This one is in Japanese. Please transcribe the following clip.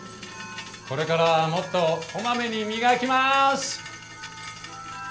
これからはもっとこまめに磨きます。